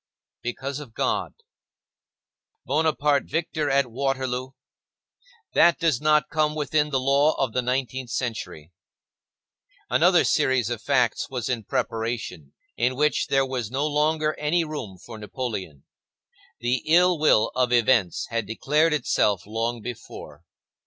Because of God. Bonaparte victor at Waterloo; that does not come within the law of the nineteenth century. Another series of facts was in preparation, in which there was no longer any room for Napoleon. The ill will of events had declared itself long before.